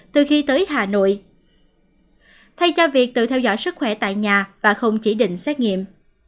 từ khi tới hà nội thay cho việc tự theo dõi sức khỏe tại nhà và không chỉ định xét nghiệm